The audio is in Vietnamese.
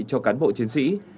cho cán bộ chiến sĩ